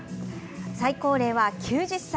最高齢は９０歳。